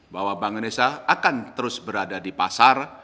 bahwa bank indonesia akan terus berada di pasar